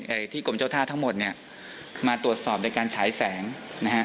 ที่กรมเจ้าท่าทั้งหมดเนี่ยมาตรวจสอบในการฉายแสงนะฮะ